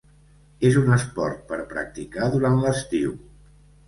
És un esport per practicar durant l'estiu.